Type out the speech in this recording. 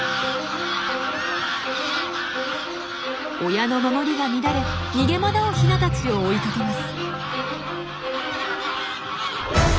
親の守りが乱れ逃げ惑うヒナたちを追いかけます。